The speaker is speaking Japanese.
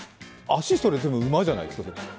足、それ、でも馬じゃないですか？